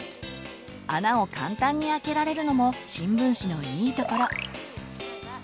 穴を簡単にあけられるのも新聞紙のいいところ。